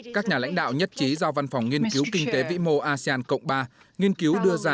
các nhà lãnh đạo nhất trí do văn phòng nghiên cứu kinh tế vĩ mô asean cộng ba nghiên cứu đưa ra